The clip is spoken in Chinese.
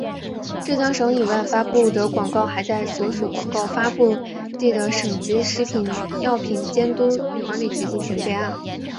浙江省以外发布的广告还在所属广告发布地的省级食品药品监督管理局进行备案。